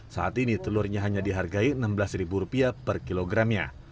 saat ini telurnya hanya dihargai rp enam belas per kilogramnya